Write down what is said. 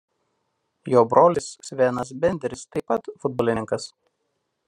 Jo brolis Svenas Benderis taip pat futbolininkas.